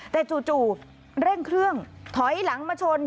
แต่จู่เร่งเครื่องถอยหลังมาชน